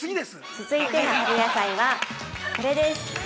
◆続いての春野菜は、これです。